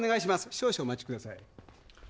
少々お待ちください。